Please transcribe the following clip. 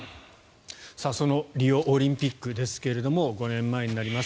そのリオオリンピックですけど５年前になります。